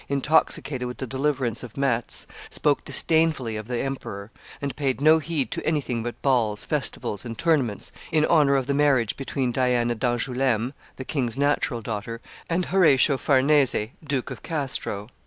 intoxicated with the deliverance of Metz, spoke disdainfully of the emperor, and paid no heed to anything but balls, festivities, and tournaments in honor of the marriage between Diana d'Angouleme, the king's natural daughter, and Horatio Farnese, Duke of Castro.